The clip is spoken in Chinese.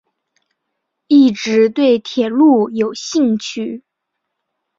一直对铁路有兴趣。